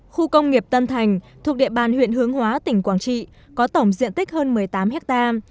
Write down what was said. khu công nghiệp tân thành thuộc địa bàn huyện hướng hóa tỉnh quảng trị có tổng diện tích hơn một mươi tám ha